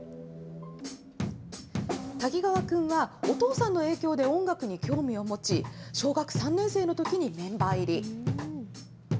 滝川君は、お父さんの影響で音楽に興味を持ち、小学３年生のときにメンバー入り。